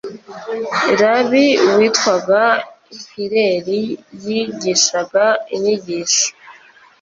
rabi witwaga hillel yigishaga inyigisho